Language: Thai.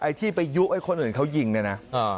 ยิงไปยุ้งให้คนอื่นเขายิงเนี่ยนะ